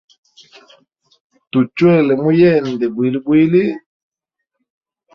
Tuchwele mu yende bwilibwli.